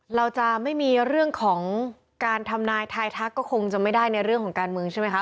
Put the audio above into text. เราจะไม่มีเรื่องของการทำนายทายทักก็คงจะไม่ได้ในเรื่องของการเมืองใช่ไหมคะ